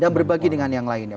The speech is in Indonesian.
dan berbagi dengan yang lainnya